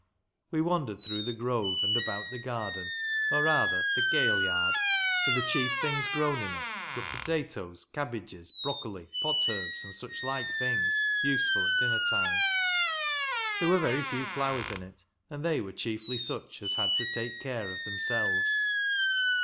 We wandered through the grove, and about the garden, or rather the " kail yard," for the chief things grown in it were potatoes, cabbages, brocoli, pot herbs, and such like things, useful at dinner time. There were very few flowers in it, and they were chiefly such as had to take care of themselves.